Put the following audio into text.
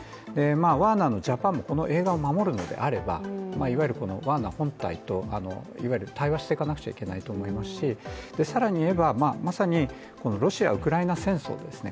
ワーナーのジャパンもこの映画を守るのであれば、いわゆるワーナー本体といわゆる対話をしていかなくちゃいけないと思いますし更にいえば、まさにロシア・ウクライナ戦争ですね。